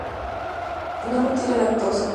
No contiene lactosa.